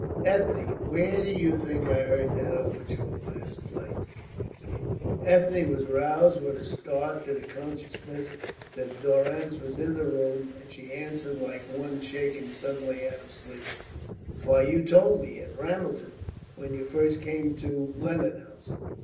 "Ethne, where do you think I heard that overture last played?" Ethne was roused with a start to the consciousness that Durrance was in the room, and she answered like one shaken suddenly out of sleep. "Why, you told me. At Ramelton, when you first came to Lennon House."